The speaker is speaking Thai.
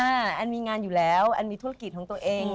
แอนมีงานอยู่แล้วแอนมีธุรกิจของตัวเอง